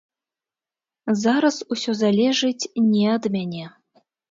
Зараз усё залежыць не ад мяне.